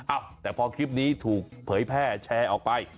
อ่ะแต่พอคลิปนี้ถูกเผยแพร่แชร์ออกไป